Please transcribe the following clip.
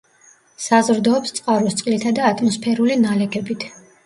საზრდოობს წყაროს წყლითა და ატმოსფერული ნალექებით.